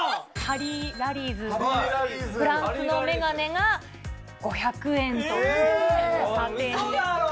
ハリーラリーズのフランスの眼鏡が５００円という査定に。